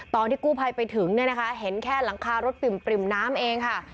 ตอนที่กู้ภัยไปถึงเนี่ยนะคะเห็นแค่หลังคารถปริ่มน้ำเองค่ะ